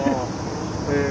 へえ。